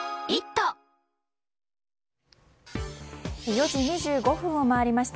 ４時２５分を回りました。